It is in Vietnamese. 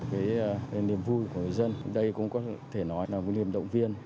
cái niềm vui của người dân đây cũng có thể nói là một niềm động viên